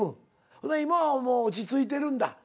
ほな今はもう落ち着いてるんだ。